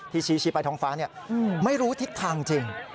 ชี้ไปท้องฟ้าไม่รู้ทิศทางจริง